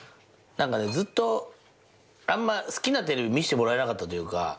ずっとあんま好きなテレビ見してもらえなかったというか。